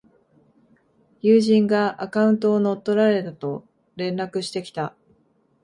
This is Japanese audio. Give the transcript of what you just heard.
友人がアカウントを乗っ取られたと連絡してきた